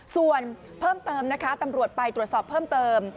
ส่วนเพิ่มเติมนะคะตำรวจไปตรวจสอบเพิ่มเติม